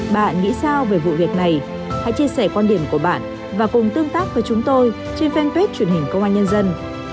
bạn nghĩ sao về vụ việc này hãy chia sẻ quan điểm của bạn và cùng tương tác với chúng tôi trên fanpage truyền hình công an nhân dân